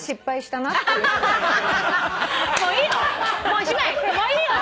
もういいよ！